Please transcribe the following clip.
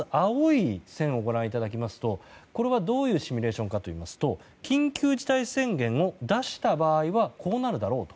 青い線はどういうシミュレーションかといいますと緊急事態宣言を出した場合はこうなるだろうと。